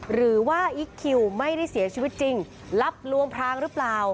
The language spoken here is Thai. หรือว่าอิ๊กคิวไม่ได้เสียชีวิตจริงรับลวงพรางหรือเปล่า